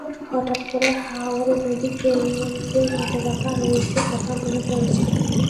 হঠাৎ করে হাঙর নদী গ্রেনেডের হতভাগা রইসের কথা মনে পড়ে যায়।